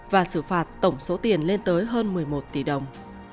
và xử phạt tổng số tiền lên tới hơn một mươi một tỷ đồng